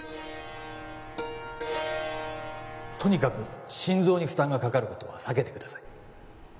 とにかく心臓に負担がかかることは避けてください